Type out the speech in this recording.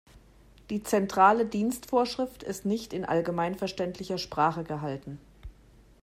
Die Zentrale Dienstvorschrift ist nicht in allgemeinverständlicher Sprache gehalten.